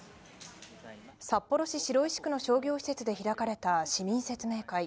札幌市白石区の商業施設で開かれた市民説明会。